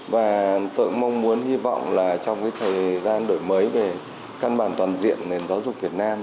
và tôi cũng mong muốn hy vọng là trong cái thời gian đổi mới về căn bản toàn diện giáo dục việt nam